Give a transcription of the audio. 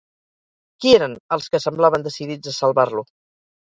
Qui eren els que semblaven decidits a salvar-lo?